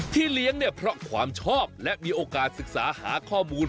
เลี้ยงเนี่ยเพราะความชอบและมีโอกาสศึกษาหาข้อมูล